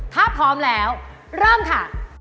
ถ้าพร้อมแล้วเริ่มค่ะ